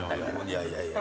いやいやいや。